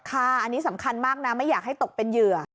ค่ะอันนี้สำคัญมากนะไม่อยากให้ตกเป็นเหยื่อ